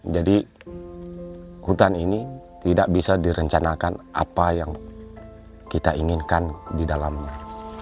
jadi hutan ini tidak bisa direncanakan apa yang kita inginkan di dalamnya